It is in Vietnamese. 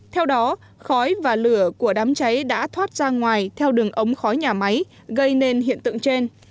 theo đó khói và lửa của đám cháy đã thoát ra ngoài theo đường ống khói nhà máy gây nên hiện tượng trên